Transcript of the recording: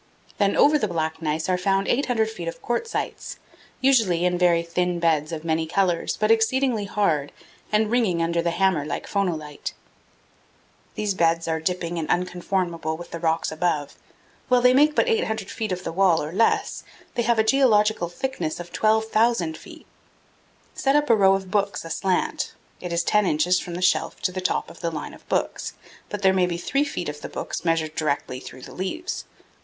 Then over the black gneiss are found 800 feet of quartzites, usually in very thin beds of many colors, but exceedingly hard, and ringing under the hammer like phonolite. These beds are dipping and unconformable with the rocks above; while they make but 800 feet of the wall or less, they have a geological thickness of 12,000 feet. Set up a row of books aslant; it is 10 inches from the shelf to the top of the line of books, but there may be 3 feet of the books measured directly through the leaves.